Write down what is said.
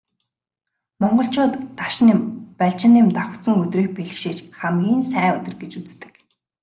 Монголчууд Дашням, Балжинням давхацсан өдрийг бэлгэшээж хамгийн сайн өдөр гэж үздэг.